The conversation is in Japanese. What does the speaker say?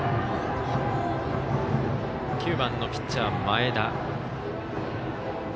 ９番のピッチャーの前田。